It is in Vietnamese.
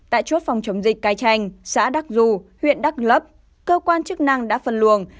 tại chốt phòng chống dịch cai tranh xã đắk du huyện đắk lấp cơ quan chức năng đã phân luồng